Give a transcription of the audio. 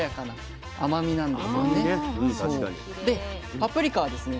パプリカはですね